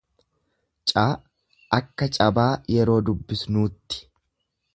c akka cabaa yeroo dubbisnuutti.